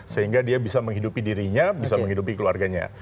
sehingga dia bisa menghidupi dirinya bisa menghidupi keluarganya